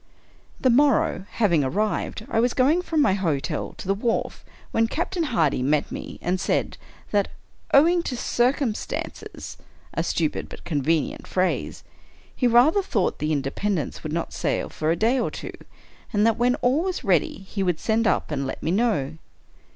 The morrow having arrived, I was going from my hotel to the wharf, when Captain Hardy met me and said that, " owing to circumstances " (a stupid but convenient phrase), " he rather thought the ' Independence ' would not sail for a day or two, and that when all was ready, he would send up and let me know."